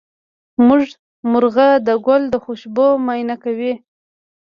زمونږ مرغه د ګل د خوشبو معاینه کوي.